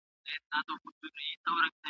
ناروغ خاوند به د ميرمنې سره څنګه صحبت کوي؟